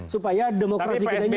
supaya demokrasi kita ini